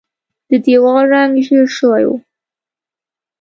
د دیوال رنګ ژیړ شوی و.